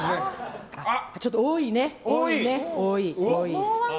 ちょっと多いね。